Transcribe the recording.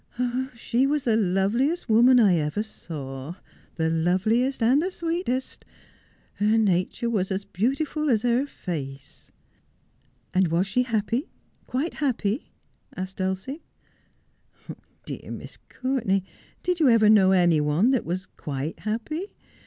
' She was the loveliest woman I ever saw — the loveliest and the sweetest. Her nature was as beautiful as her face.' ' And was she happy, quite happy 1 ' asked Dulcie. 'Dear Miss Courtenay, did you ever know any one that was quite happy